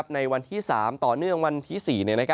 ในวันที่๓ต่อเนื่องวันที่๔